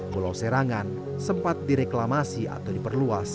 pulau serangan sempat direklamasi atau diperluas